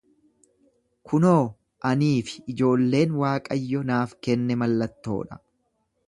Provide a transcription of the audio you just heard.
Kunoo ani fi ijoolleen Waaqayyo naaf kenne mallattoo dha.